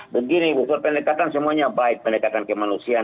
begini buku pendekatan semuanya baik pendekatan kemanusiaan